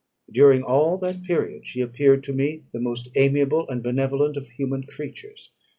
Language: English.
During all that period she appeared to me the most amiable and benevolent of human creatures.